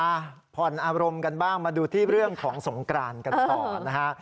ผ่อนอารมณ์กันบ้างมาดูที่เรื่องของสงกรานกันต่อนะฮะ